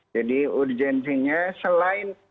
jadi urgensinya selain